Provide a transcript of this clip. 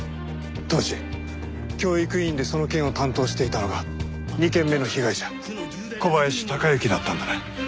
当時教育委員でその件を担当していたのが２件目の被害者小林孝之だったんだな。